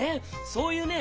そういうね